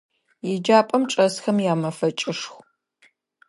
Еджапӏэм чӏэсхэм ямэфэкӏышху.